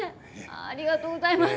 ありがとうございます。